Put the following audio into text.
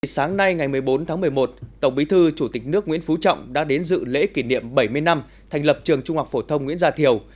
sáng nay ngày một mươi bốn tháng một mươi một tổng bí thư chủ tịch nước nguyễn phú trọng đã đến dự lễ kỷ niệm bảy mươi năm thành lập trường trung học phổ thông nguyễn gia thiều